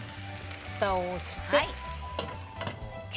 ふたをして。